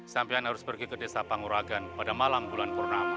sampaian harus pergi ke desa panguragan pada malam bulan purnama